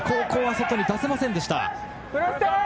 ここは外に出せませんでした。